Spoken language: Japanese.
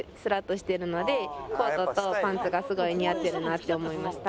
コートとパンツがすごい似合ってるなって思いました。